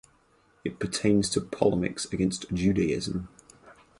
It pertains to polemics against Judaism.